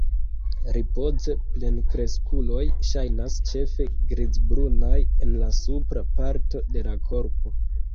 Ripoze plenkreskuloj ŝajnas ĉefe grizbrunaj en la supra parto de la korpo.